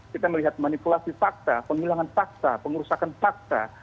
kita melihat manipulasi fakta penghilangan fakta pengurusakan fakta